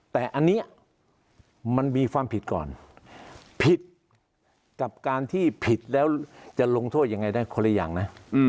แต่อันนี้มันมีความผิดก่อนผิดกับการที่ผิดแล้วจะลงโทษยังไงได้คนละอย่างนะ